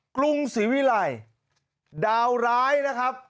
กรุงสวีไลดาวระวัยนะครับ